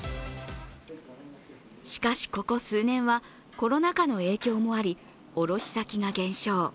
しかし、ここ数年はコロナ禍の影響もあり卸先が減少。